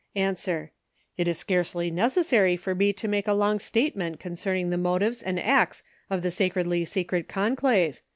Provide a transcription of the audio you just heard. A. — It is scarcely necessary for me to make a long state ment concerning the motives and acts of the Sacredly Se cret Conclave.